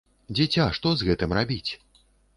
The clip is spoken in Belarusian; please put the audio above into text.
Дзіця, што з гэтым рабіць?